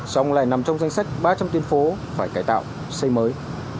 xong lại nằm trong danh sách ba trăm linh tuyên phố phải cải tạo xây mới